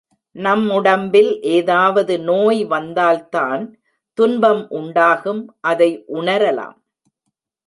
நம் உடம்பில் ஏதாவது நோய் வந்தால்தான் துன்பம் உண்டாகும் அதை உணரலாம்.